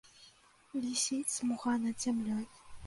Вісіць смуга над зямлёй.